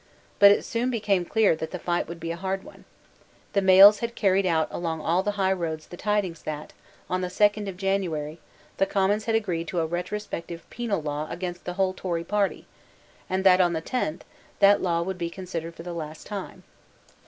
But it soon became clear that the fight would be a hard one. The mails had carried out along all the high roads the tidings that, on the second of January, the Commons had agreed to a retrospective penal law against the whole Tory party, and that, on the tenth, that law would be considered for the last time.